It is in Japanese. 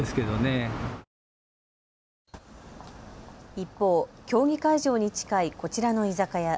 一方、競技会場に近いこちらの居酒屋。